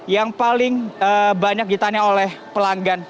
yang paling banyak ditanya oleh pelanggan